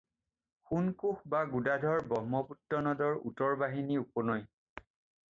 সোণকোষ বা গোদাধৰ ব্ৰহ্মপুত্ৰ নদৰ উত্তৰ বাহিনী উপনৈ।